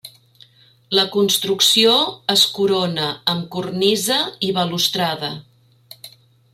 La construcció es corona amb cornisa i balustrada.